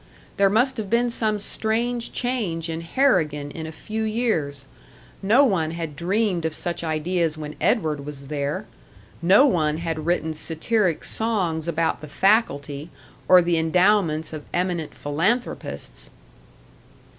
There must have been some strange change in Harrigan in a few years; no one had dreamed of such ideas when Edward was there! No one had written satiric songs about the faculty, or the endowments of eminent philanthropists!